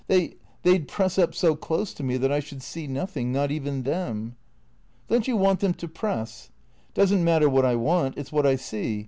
" They — they 'd press up so close to me that I should see nothing — not even them." " Don't you want them to press ?"" It does n't matter what I want. It 's what I see.